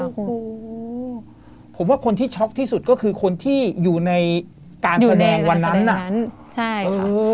โอ้โหผมว่าคนที่ช็อคที่สุดก็คือคนที่อยู่ในการแสดงวันนั้นอ่ะอยู่ในการแสดงวันนั้นใช่ค่ะเออ